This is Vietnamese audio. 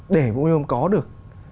để vụ nhôm có được